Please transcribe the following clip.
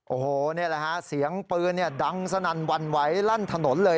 โอ้โหนี่แหละฮะเสียงปืนดังสนั่นวันไหวลั่นถนนเลย